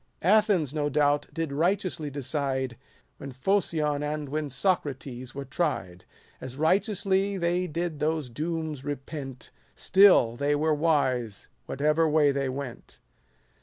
Athens, no doubt, did righteously decide, When Phocion and when Socrates were tried : As righteously they did those dooms repent ; Still they were wise whatever way they went.